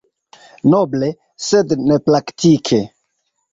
Noble, sed nepraktike.